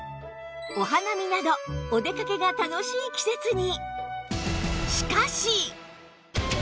お花見などお出かけが楽しい季節に